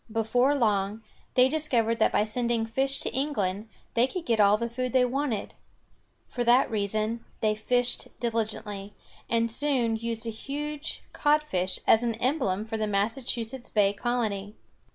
Before long, they discovered that by sending fish to England, they could get all the food they wanted. For that reason they fished diligently, and soon used a huge codfish as an emblem for the Massachusetts Bay colony.